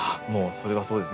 それはそうですね。